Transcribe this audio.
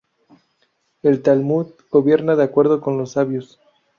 El Talmud gobierna de acuerdo con los sabios.